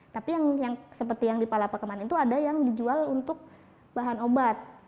tapi yang seperti yang di palapa kemarin itu ada yang dijual untuk bahan obat